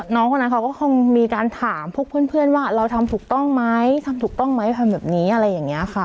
น้องคนนั้นเขาก็คงมีการถามพวกเพื่อนว่าเราทำถูกต้องไหมทำถูกต้องไหมทำแบบนี้อะไรอย่างนี้ค่ะ